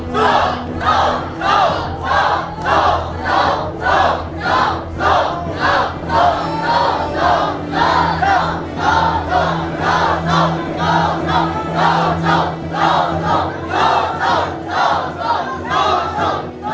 สู้สู้สู้